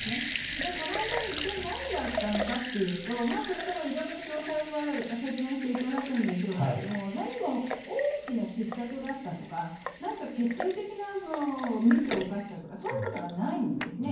じゃあ、この間に一体、何があったのかというとこれから詳細は説明していただくんでしょうけども何も大きな失策があったとか何か決定的なミスを犯したとかそういうことはないんですね。